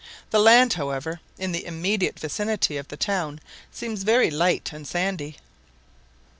The land, however, in the immediate vicinity of the town seems very light and sandy.